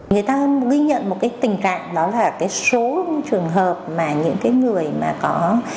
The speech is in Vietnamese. người ta ghi nhận một cái tình trạng đó là cái số trường hợp mà những cái người mà có